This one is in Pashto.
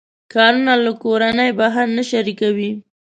کارونه له کورنۍ بهر نه شریکوي.